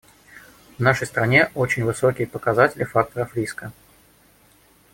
В нашей стране очень высокие показатели факторов риска.